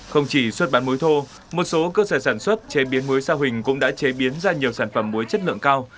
không chỉ xuất bán mối thô một số cơ sở sản xuất chế biến mối sa huỳnh cũng đã chế biến ra nhiều sản phẩm mối chất lượng cao